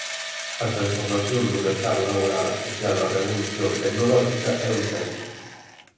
A transformación do mercado laboral asociado á revolución tecnolóxica é un feito.